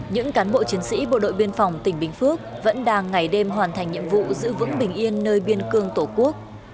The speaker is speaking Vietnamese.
những cán bộ chiến sĩ bộ đội biên phòng tỉnh bình phước vẫn đang ngày đêm hoàn thành nhiệm vụ giữ vững bình yên nơi biên cương tổ quốc